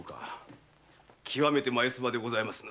きわめて眉唾でございますな。